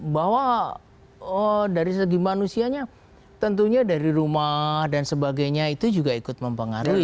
bahwa dari segi manusianya tentunya dari rumah dan sebagainya itu juga ikut mempengaruhi